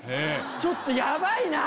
ちょっとヤバいなぁ。